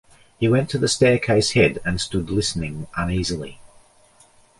He went to the staircase head and stood listening uneasily.